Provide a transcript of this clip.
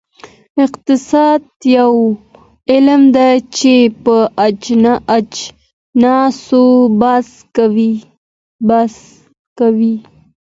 اقتصاد یو علم دی چې په اجناسو بحث کوي.